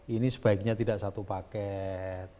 ini sebaiknya tidak satu paket